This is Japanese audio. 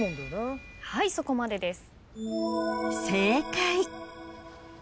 はいそこまでです。